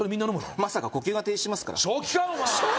まさか呼吸が停止しますから正気か？